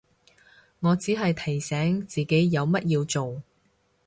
我只係提醒自己有乜要做